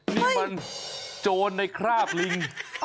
นี่มันโจรในคราบลิง